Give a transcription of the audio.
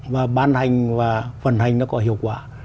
và ban hành và vận hành nó có hiệu quả